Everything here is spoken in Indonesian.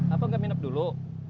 apa enggak minum dulu